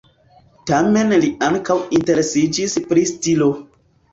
Tamen li ankaŭ interesiĝis pri stilo.